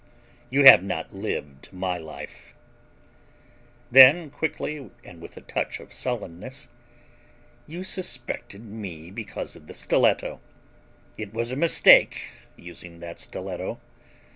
You have not lived my life." Then quickly and with a touch of sullenness: "You suspected me because of the stiletto. It was a mistake, using that stiletto.